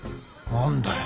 何だよ